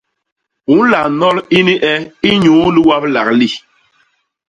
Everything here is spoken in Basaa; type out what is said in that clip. U nla nol ini e inyuu liwablak li.